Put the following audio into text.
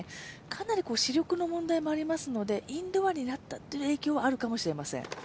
かなり視力の問題もありますので、インドアになった影響はあるかもしれません。